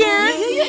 ya udah yuk